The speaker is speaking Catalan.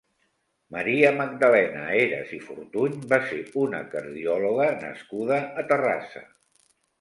Maria Magdalena Heras i Fortuny va ser una cardiòloga nascuda a Terrassa.